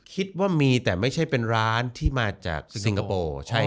คิดว่ามีแต่ไม่ใช่เป็นร้านที่มาจากสิงคโปร์